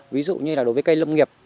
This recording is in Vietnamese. ví dụ như là đối với cây lâm nghiệp